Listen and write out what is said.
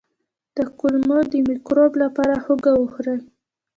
د کولمو د مکروب لپاره هوږه وخورئ